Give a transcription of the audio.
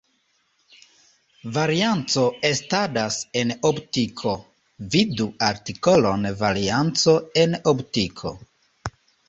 Varianco estadas en optiko, vidu artikolon varianco en optiko.